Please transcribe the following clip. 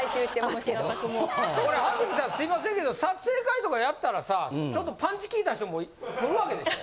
すいませんけど撮影会とかやったらさちょっとパンチきいた人も来る訳でしょ？